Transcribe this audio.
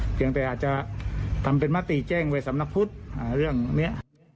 แต่อาจจะทำเป็นมติแจ้งไว้สำนักพุทธเรื่องนี้